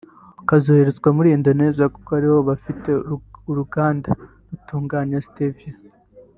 ukazoherezwa muri Indonesia kuko ari ho bafite uruganda rutunganya Stevia